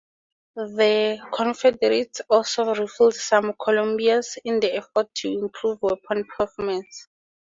The Confederates also rifled some columbiads in an effort to improve weapon performance.